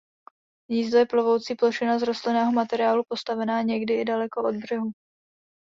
Hnízdo je plovoucí plošina z rostlinného materiálu postavená někdy i daleko od břehu.